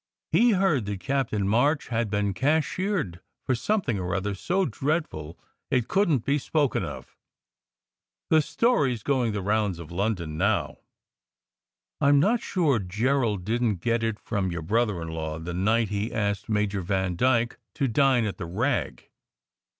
He heard that Captain March had been cashiered for something or other so dreadful it couldn t be spoken of. The story s going the rounds of London now. I m not sure Gerald didn t get it from your brother in law the night he asked Major Van dyke to dine at the Rag.